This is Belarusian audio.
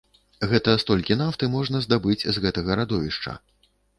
Гэта столькі нафты можна здабыць з гэтага радовішча.